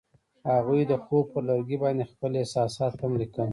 هغوی د خوب پر لرګي باندې خپل احساسات هم لیکل.